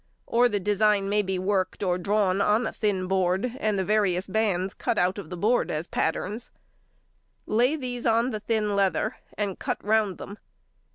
Or the design may be worked or drawn on a thin board, and the various bands cut out |135| of the board as patterns. Lay these on the thin leather and cut round them.